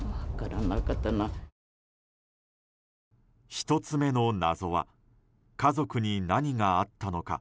１つ目の謎は家族に何があったのか。